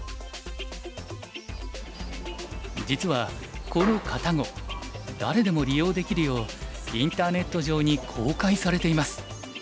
実はこのＫａｔａＧｏ誰でも利用できるようインターネット上に公開されています。